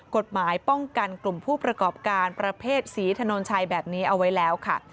กฎหมายป้องกันกลุ่มผู้ประกอบการประเภทศรีถนนชัยแบบนี้เอาไว้แล้วค่ะ